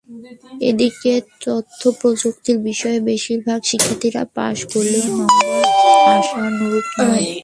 এদিকে তথ্যপ্রযুক্তি বিষয়ে বেশির ভাগ শিক্ষার্থী পাস করলেও নম্বর আশানুরূপ নয়।